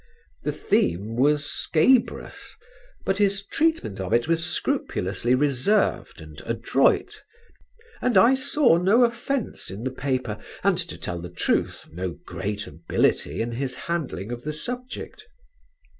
The theme was scabrous; but his treatment of it was scrupulously reserved and adroit and I saw no offence in the paper, and to tell the truth, no great ability in his handling of the subject.